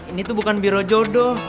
ini tuh bukan biro jodoh